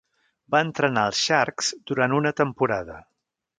Va entrenar als Sharks durant una temporada.